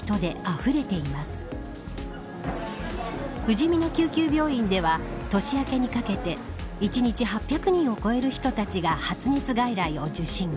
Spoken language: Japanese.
ふじみの救急病院では年明けにかけて１日８００人を超える人たちが発熱外来を受診。